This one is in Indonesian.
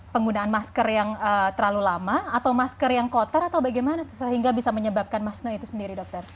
penggunaan masker yang terlalu lama atau masker yang kotor atau bagaimana sehingga bisa menyebabkan masne itu sendiri dokter